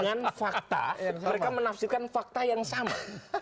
dengan fakta mereka menafsirkan fakta yang sama